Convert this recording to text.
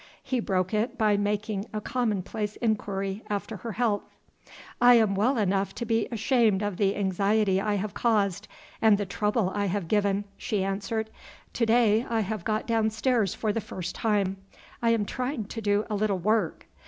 He broke it by making a commonplace inquiry after her health. "I am well enough to be ashamed of the anxiety I have caused and the trouble I have given," she answered. "To day I have got downstairs for the first time. I am trying to do a little work."